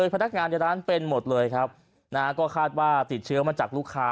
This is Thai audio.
พนักงานในร้านเป็นหมดเลยครับนะฮะก็คาดว่าติดเชื้อมาจากลูกค้า